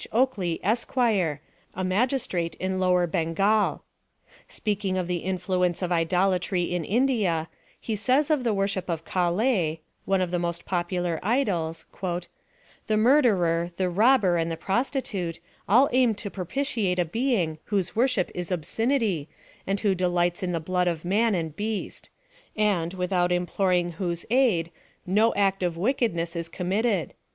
Oakley, Esq., a magistrate in lower Bengal. Speaking of the influence of idola try in India, he says of the worship of Kal6, one of the most popular idols, " the murderer, the robber and the prostitute, all aim to propitiate a being whose worship is obscenity, and who delights in the blood of man and beast ; and, without impior ing whose aid, no act of wickedness is committed.